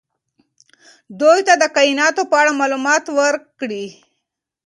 دوی ته د کائناتو په اړه معلومات ورکړئ.